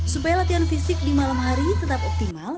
supaya latihan fisik di malam hari tetap optimal